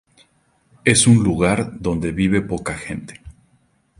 Es un lugar donde vive poca gente.